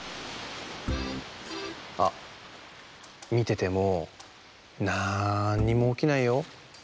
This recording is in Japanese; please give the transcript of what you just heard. あっみててもなんにもおきないよ。